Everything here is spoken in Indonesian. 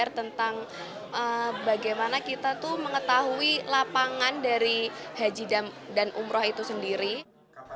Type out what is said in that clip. mereka berharap acara seperti ini bisa terus dilakukan di masa depan untuk lebih memberi bekal saat mereka terjun ke dunia kerja